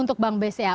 untuk bank bca